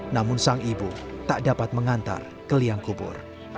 namun sang ibu tak dapat mengantar ke liang kubur